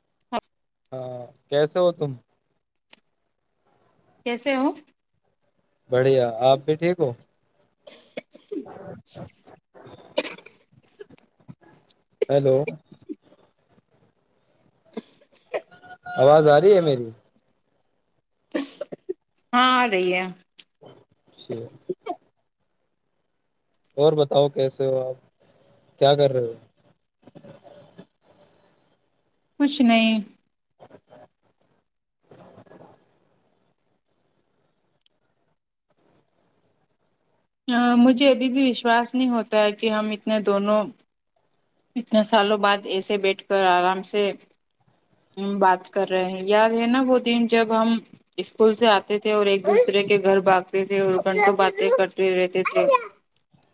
[unintelligible] ہاں کیسے ہو تم کیسے ہووں بڑھیا آپ بھی ٹھیک ہو [unintelligible] ہیلو آواز آ رہی ہے میری ہاں آ رہی ہے شی اور بتاؤ کیسے ہو آپ کیا کر رہے ہو کچھ نہیں مجھے ابھی بھی وشواس نہیں ہوتا ہے کہ ہم اتنے دونوں اتنے سالوں بعد ایسے بیٹھ کر آرام سے بات کر رہے ہیں یاد ہے نا وہ دن جب ہم اسکول سے آتے تھے اور ایک دوسرے کے گھر بھاگتے تھے اور گھنٹوں باتیں کرتے رہتے تھے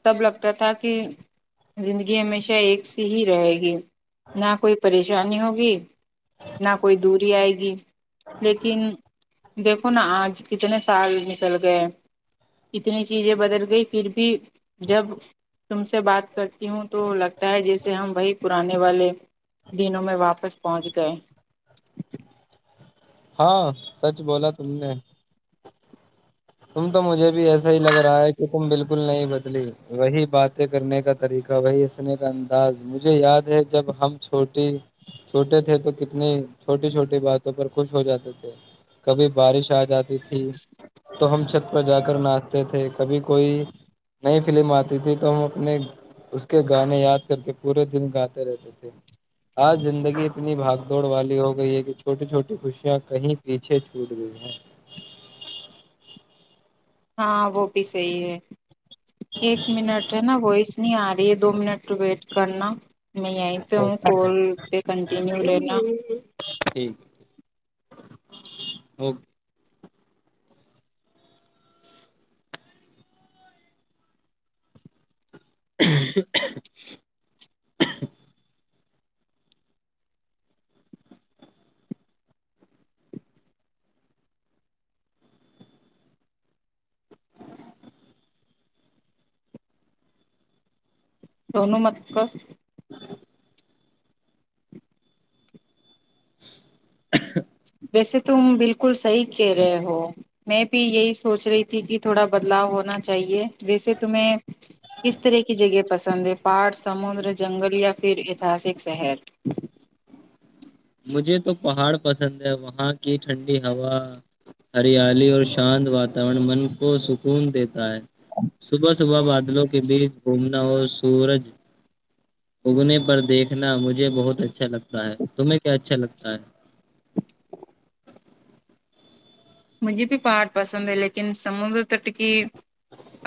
تب لگتا تھا کہ زندگی ہمیشہ ایک ص ہی رہے گی نہ کوئی پریش پریشانی ہوگی نہ کوئی دوری آئے گی لیکن دیکھو نا آج کتنے سال نکل گئے کتنی چیزیں بدل گئی پھر بھی جب تم سے بات کرتی ہوں تو لگتا ہے جسے ہم وہی پرانے والے دنوں میں واپس پہنچ گئے ہاں سچ بولا تم نے تم تو مجھے بھی ایسا ہی لگ رہا ہے کہ تم بالکل نہیں بچ وہی باتیں کرنے کا طریقہ وہی ہسنے کا انداز مجھے یاد ہے جب ہم چھوٹی چھوٹے تھے تو کتنی چھوٹی چھوٹی باتوں پر خوش ہو جاتے تھے کبھی بارش آ جاتی ا تھی تو ہم چھت پر جا کر ناچتے تھے کبھی کوئی نئی فلم آتی تھی تو ہم اپنے اس کے گانے یاد کر کے پورے دن گاتے رہتے تھے آج زندگی اتنی بھاگ دوڑ والی ہو گئی ہے کہ چھوٹی چھوٹی خوشیاں کہیں پیچھے چھوٹ گئی ہیں ہاں وہ صحی ہے ایک منٹ ہے نا وائس نہیں آ رہی ہے دو منٹ ویٹ کرنا میں یہیں پہ ہوں اوکے کال پہ کنٹینیو رہنا اوک [unintelligible] سون مت [unintelligible] ویسے تم بالکل صحیح کہہ رہے ہو میں بھی یہی سوچ رہی تھی کہ تھوڑا بدلاؤ ہونا چاہیے ویسے تمہیں کس طرح کی جگہ پسند ہے پہاٹ سمندر جنگل یا پھر ایتہاسک شہر [unintelligible] مجھے تو پہاڑ پسند ہے وہاں کی ٹھنڈی ہوا ہریالی اور شانت واتاورن من کو سکون دیتا صبح صبح بادلوں کے بیچ گھومنا اور سورج اگنے پر دیکھنا مجھے بہت اچھا لگتا ہے تمہیں کیا اچھا لگتا ہے مجھے بھی پہاڑ پسند ہے لیکن سمندر تٹ کی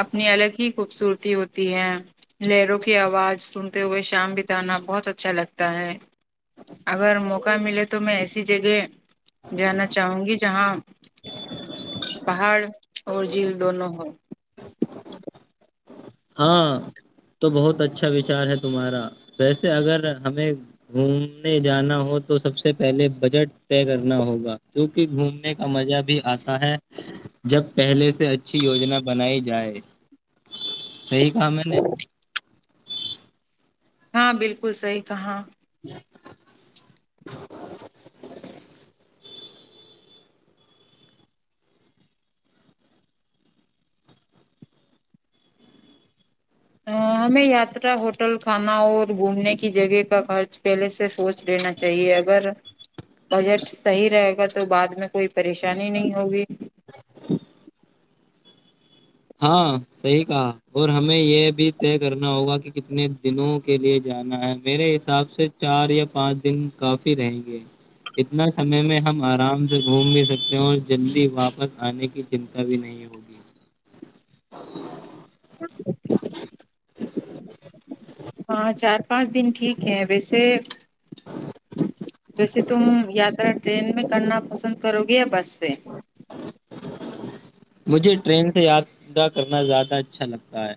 اپنی الگ ہی خوبصورتی ہوتی ہے لہروں کی آواز سنتے ہوئے شام بتانا بہت اچھا لگتا ہے اگر موقع ملے تو میں ایسی جگہ جانا چاہوں گی جہاں پہاڑ اور [unintelligible] جھیل دونوں ہو ہاں تو بہت اچھا وچار ہے تمہارا ویسے اگر ہمیں گھومنے جانا ہو تو سب سے پہلے بجٹ طے کرنا ہوگا کیونکہ گھومنے کا مزہ بھی آتا ہے جب پہلے سے اچھی یوجنا بنائی جائے [unintelligible] صحی کہا میں نے ہاں بالکل صحی کہاں ہمیں یاترا ہوٹل کھانا اور گھومنے کی جگہ کا خرچ پہلے سے سوچ لینا چاہیے اگر بجٹ صحیح رہے گا تو بعد میں کوئی پریشانی نہیں ہوگی ہاں صحیح کہا اور ہمیں یہ بھی طے کرنا ہوگا کہ کتنے دنوں کے لیے جانا ہے میرے حساب سے چار یا پانچ دن کافی رہیں گے اتنا سمے میں ہم آرام سے گھوم بھی سکتے ہیں اور جلدی واپس آنے کی چنتا بھی نہیں ہوگی [unintelligible] [inaudible] ہاں چار پانچ دن ٹھیک ہے ویسے ویسے تم یاترا ٹرین میں کرنا پسند کرو گے یا بس سے مجھے ٹرین سے یاتا کرنا زیادہ اچھا لگتا ہے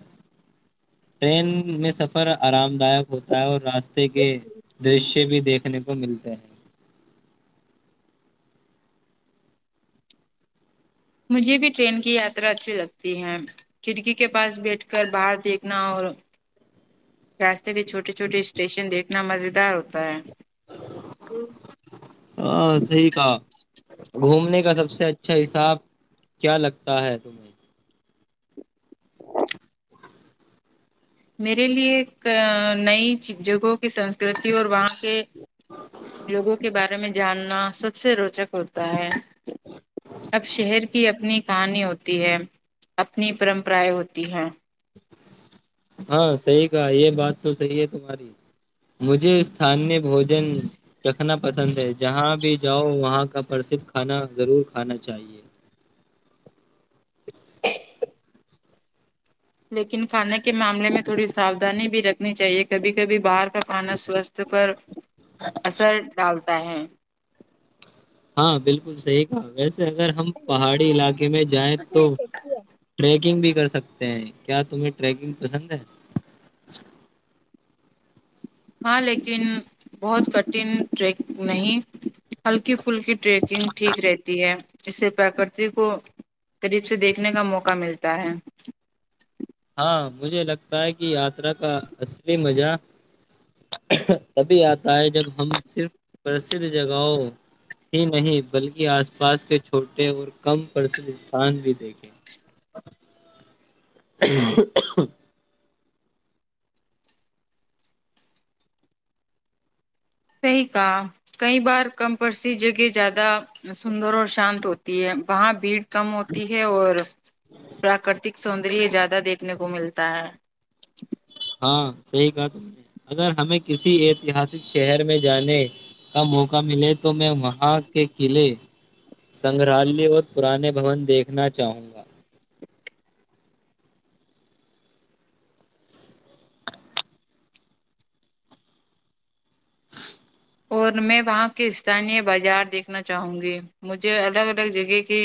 ٹرین میں سفر آرام دائک ہوتا ہے اور راسہ کے درشیہ بھی دیکھنے کو ملتے ہیں مجھے بھی ٹرین کی یاترا اچھی لگتی ہے کھڑکی کے پاس بیٹھ کر باہر دیکھنا اور راستے کے چھوٹے چھوٹے اسٹیشن دیکھنا مز دار ہوتا ہے ہاں صی کا [unintelligible] گھومنے کا سب سے اچھا حساب کیا لگتا ہے تمہیں میرے لیے نئی جگہوں کی سنسکرتی اور وہاں کے لوگوں کے بارے میں جاننا سب سے روچک ہوتا ہے اب شہر کی اپنی کہانی ہوتی ہے اپنی پرمپرائیں ہوتی ہے ہاں صحیح کہا یہ بات تو صحیح ہے تمہاری مجھے استانییہ بوجن رکھنا پسند ہے جہاں بھی جاؤ وہاں کا پرسدھ کھانا ضرور کھانا چاہیے [unintelligible] [inaudible] لیکن کھانے کے معاملے میں تھوڑی ساوھانی بھی رکھنی چاہیے کبھی کبھی باہر کھانا سواستھ پر اثر ڈالتا کہ [unintelligible] ہاں بالکل صحیح کہا ویسے اگر ہم پہاڑی علاقے میں جائیں تو ٹریکنگ بھی کر سکتے ہیں کیا تمہیں ٹریکنگ پسند ہے ہاں لیکن بہت کٹھن ٹریک نہیں ہلکی پلکی ٹریکنگ ٹھیک رہتی ہے اس سے پرکرتی کو قریب سے دیکھنے کا موقع ملتا ہے ہاں مجھے لگتا ہے کہ یاترا کا اصلی مزہ تبھی آتا ہے جب ہم صرف پرسھ جگہوں ہی نہیں بلکہ آس پاس کے چھوٹے اور کم پرسھ استان بھی دیکھیں [unintelligible] [unintelligible] صیح کہا کئی بار کم پرسی جگہ زیادہ سندر اور شانت ہوتی ہے وہاں بھیڑ کم ہوتی ہے اور پراکرتک سوندر زیادہ دیکھنے کو ملتا ہے ہاں صحیح کہا تم نے اگر ہمیں کسی ایتہاسک شہر میں جانے کا موقع ملے تو میں وہاں کے قلعے سنگرالیہ اور پرانے بھون دیکھنا چاہوں گا [unintelligible] اور میں وہاں کے استانی بازار دیکھنا چاہوں گی مجھے الگ الگ جگہ کے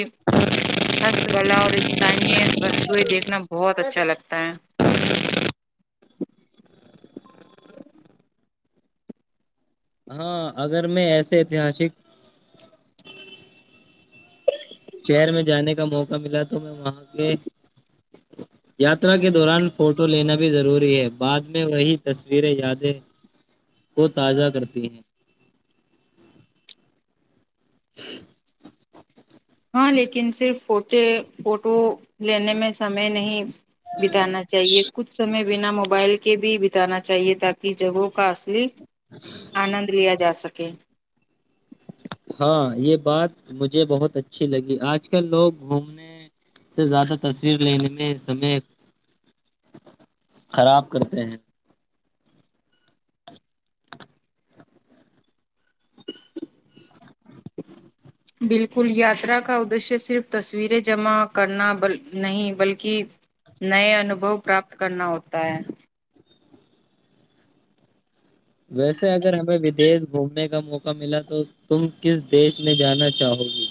ہست کلا اور استانی وو دیکھنا [unintelligible] بہت اچھا لگتا [unintelligible] ت [unintelligible] ہاں اگر میں ایسے ایتہاسک شہر میں جانے کا موقع ملا تو میں وہاں کے یاترا کے دوران فوٹو لینا بھی ضروری [unintelligible] ہوئی ہے بع میں وہی تصویر [unintelligible] صیریں یادیں کو تازہ کرتی ہیں [unintelligible] ہاں لیکن صرف فوٹے فوٹو لینے میں سمے نہیں [unintelligible] بتانا چاہیے کچھ سمے بنا موبائل کے کے بھی بتانا چاہیے تاکہ جگہوں کا اصلی آنند لیا جا سکتا اوکے ہاں یہ بات مجھے بہت اچھی لگی آج کل لوگ گھومنے سے زیادہ تصویر لینے میں سمے خراب کرتے ہیں بالکل یاترا کا ادشیہ صرف تصویریں جمع کرنا نہیں بلکہ نئے انوبھو پراپت کرنا ہوتا ہے ویسے اگر ہمیں ودیش گھومنے کا موقع ملا تو تم کس دیش میں جانا چاہو گی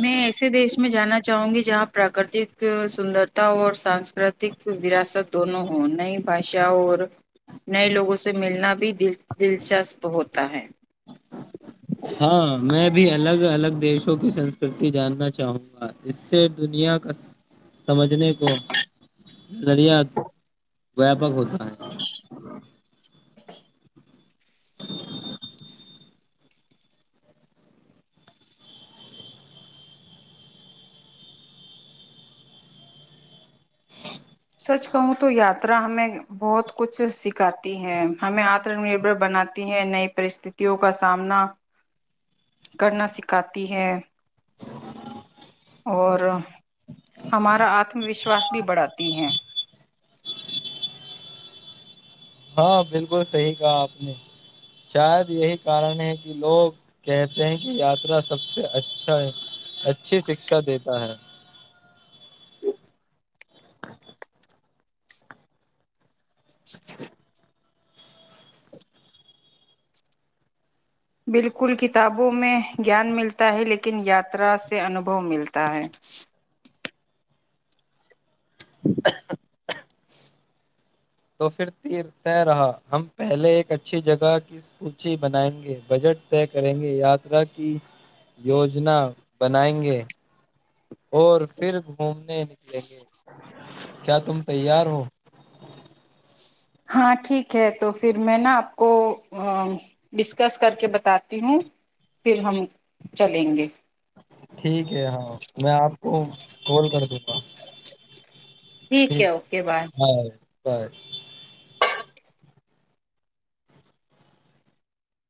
میں ایسے دیش میں جانا چاہوں گی جہاں پراکرتک سندرتا اور سانسکرتک وراثت دونوں ہوں نئی بھاشا اور نئے لوگوں سے ملنا بھی دلچسپ ہوتا ہے ہاں میں بھی الگ الگ دیشوں کی سنسکرتی جاننا چاہوں گا اس سے دنیا کا سمجھنے کو ضریا ویاپک ہوتا ہے [inaudible] سچ کہوں تو یاترا ہمیں بہت کچھ سکھاتی ہے ہمیں آتم نربر بناتی ہے نئی پرستتتوں کا سامنا کرنا سکھاتی ہے اور ہمارا آتم وشواس بھی بڑھاتی ہے ہاں بالکل صحیح کہا آپ نے شاید یہی کارن ہے کہ لوگ کہتے ہیں کہ یاترا سب سے اچھا ہے اچھی شکشا دیتا ہے [inaudible] بالکل کتابوں میں جیان ملتا ہے لیکن یاترا سے انوبھو ملتا ہے [inaudible] تو پھر تیر طے رہا ہم پہلے ایک اچھی جگہ کی سوچی بنائیں گے بجٹ طے کریں گے یاترا کی یوجنا بنائیں گے اور پھر گھومنے نکلیں گے کیا تم تیار ہو ہاں ٹھیک ہے تو پھر میں نا آپ کو ڈسکس کر کے بتاتی ہوں پھر ہم چلیں گے ٹھیک ہے ہاں میں آپ کو کال کر دوں گا ٹھیک ہے اوکے بائے بر [inaudible]